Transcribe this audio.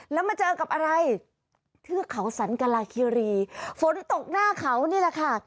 แล้วมาเจอกับอะไรเทือกเขาสันกลาคิรีฝนตกหน้าเขานี่แหละค่ะ